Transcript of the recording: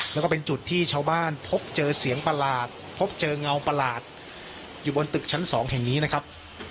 แล้วก็เป็นจุดที่ชาวบ้านพบเจอเสียงประหลาดพบเจอเงาประหลาดอยู่บนตึกชั้น๒แห่งนี้นะครับ